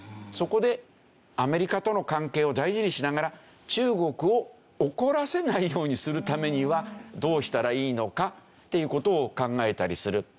そこでアメリカとの関係を大事にしながら中国を怒らせないようにするためにはどうしたらいいのかっていう事を考えたりする。